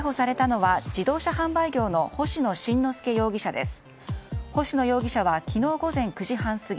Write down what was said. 逮捕されたのは、自動車販売業の星野紳之助容疑者です。